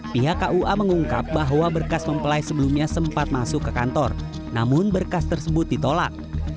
pihak kua mengungkap bahwa berkas mempelai sebelumnya sempat masuk ke kantor namun berkas tersebut ditolak